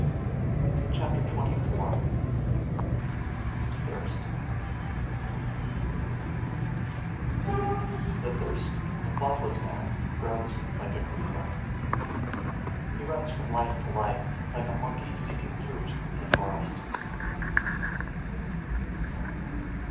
Chapter XXIV. Thirst 334. The thirst of a thoughtless man grows like a creeper; he runs from life to life, like a monkey seeking fruit in the forest.